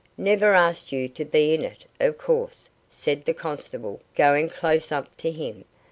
"Never asked you to be in it, of course?" said the constable, going close up to him.